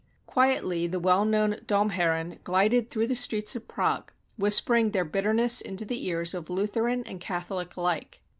Quietly the well known "Domherren" glided through the streets of Prague, whispering their bitterness into the ears of Lutheran and Catholic alike.